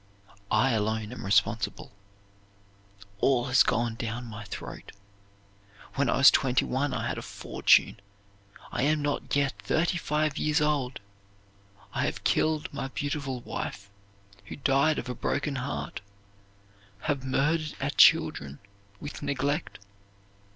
I alone am responsible. All has gone down my throat. When I was twenty one I had a fortune. I am not yet thirty five years old. I have killed my beautiful wife, who died of a broken heart; have murdered our children with neglect.